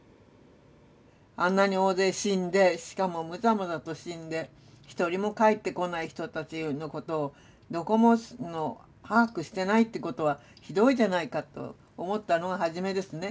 あんなに大勢死んでしかもむざむざと死んで一人も帰ってこない人たちのことをどこも把握してないってことはひどいじゃないかと思ったのがはじめですね。